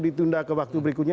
ditunda ke waktu berikutnya